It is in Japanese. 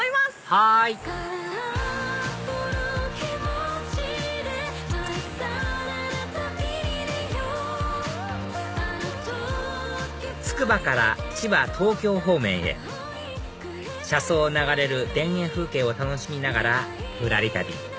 はいつくばから千葉東京方面へ車窓を流れる田園風景を楽しみながらぶらり旅